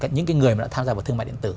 những người đã tham gia vào thương mại điện tử